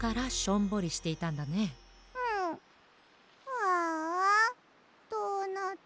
ああドーナツ。